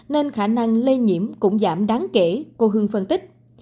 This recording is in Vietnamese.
nên khả năng lây nhiễm cũng giảm đáng kể cô hương phân tích